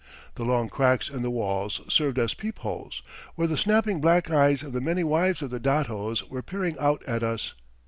The long cracks in the walls served as peepholes, where the snapping black eyes of the many wives of the datos were peering out at us.